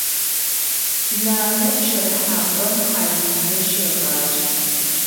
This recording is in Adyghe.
Нанэ пщэрыхьапӏэм хьалыжъо щегъажъэ.